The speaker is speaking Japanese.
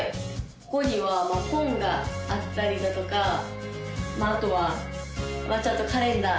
ここには本があったりだとかあとはちゃんとカレンダー